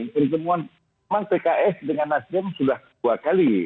pertemuan memang pks dengan nasdem sudah dua kali